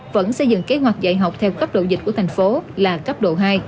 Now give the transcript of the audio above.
vẫn xây dựng kế hoạch dạy học theo cấp độ dịch của thành phố là cấp độ hai